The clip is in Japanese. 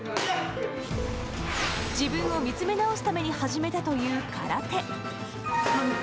自分を見つめ直すために始めたという空手。